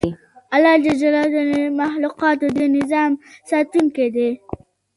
الله ج د مخلوقاتو د نظام ساتونکی دی